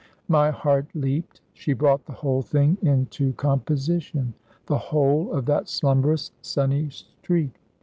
My heart leapt; she brought the whole thing into composition the whole of that slumbrous, sunny street.